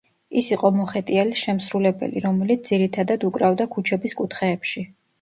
ის იყო მოხეტიალე შემსრულებელი, რომელიც ძირითადად უკრავდა ქუჩების კუთხეებში.